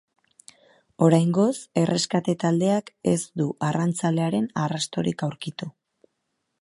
Oraingoz, erreskate taldeak ez du arrantzalearen arrastorik aurkitu.